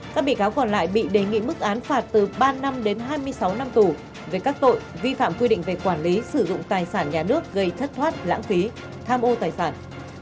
các bị cáo còn lại bị đề nghị mức án phạt từ ba năm đến hai mươi sáu năm tù về các tội vi phạm quy định về quản lý sử dụng tài sản nhà nước gây thất thoát lãng phí tham ô tài sản